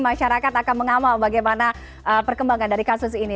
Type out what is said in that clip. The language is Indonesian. masyarakat akan mengamal bagaimana perkembangan dari kasus ini